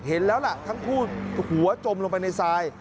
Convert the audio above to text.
เห็นแล้วล่ะทั้งคู่หัวจมลงไปในทราย